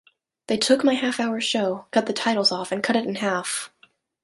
They took my half-hour show, cut the titles off and cut it in half.